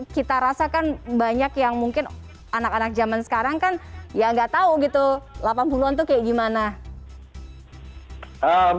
kita rasakan banyak yang mungkin anak anak zaman sekarang kan ya nggak tahu gitu delapan puluh an tuh kayak gimana